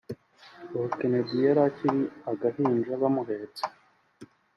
uwo Kennedy yari akiri agahinja bamuhetse